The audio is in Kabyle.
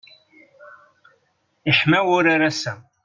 Iḥma wurar ass-a.